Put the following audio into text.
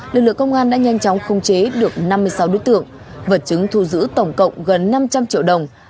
lực lượng công an đã nhanh chóng khống chế được năm mươi sáu đối tượng vật chứng thu giữ tổng cộng gần năm trăm linh triệu đồng